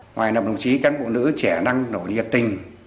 ngoài nằm đồng chí các bộ nữ trẻ năng nổi nhiệt tình